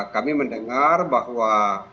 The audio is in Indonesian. kami mendengar bahwa